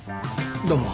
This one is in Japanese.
どうも。